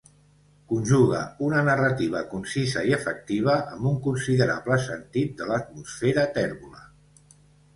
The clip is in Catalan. Conjuga una narrativa concisa i efectiva amb un considerable sentit de l'atmosfera tèrbola.